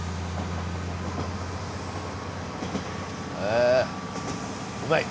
あうまい！